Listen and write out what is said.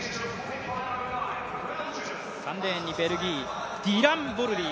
３レーンにベルギー、ディラン・ボルリー。